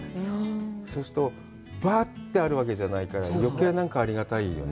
そうすると、ばあってあるわけじゃないから余計、なんかありがたいよね。